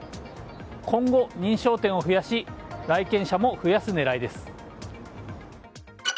今後、認証店を増やし来店者も増やす狙いです。